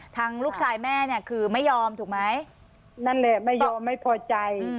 ทางลูกชายแม่เนี่ยคือไม่ยอมถูกไหมนั่นแหละไม่ยอมไม่พอใจ